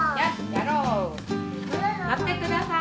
やろう！